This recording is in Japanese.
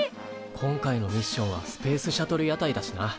今回のミッションはスペースシャトル屋台だしな。